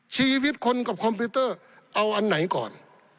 ชีวิตคนกับคอมพิวเตอร์เอาอันไหนก่อน